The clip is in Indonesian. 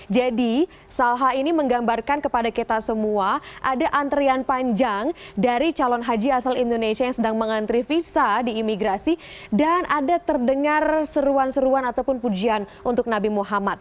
jadi salha ini menggambarkan kepada kita semua ada antrian panjang dari calon haji asal indonesia yang sedang mengantri visa di imigrasi dan ada terdengar seruan seruan ataupun pujian untuk nabi muhammad